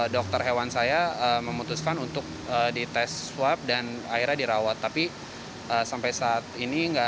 dokter hewan saya memutuskan untuk dites swab dan akhirnya dirawat tapi sampai saat ini enggak